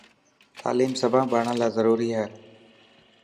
تاليم سڀان ٻاران لاءِ ضروري هي.